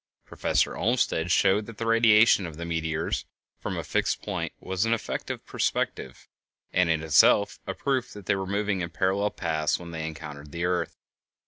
Professor Olmsted showed that the radiation of the meteors from a fixed point was an effect of perspective, and in itself a proof that they were moving in parallel paths when they encountered the earth.